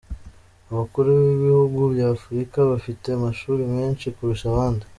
Abakuru b’Ibihugu bya Afurika bafite amashuri menshi kurusha abandi.